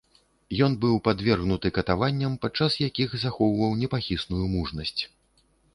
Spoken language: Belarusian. Ён быў падвергнуты катаванням, падчас якіх захоўваў непахісную мужнасць.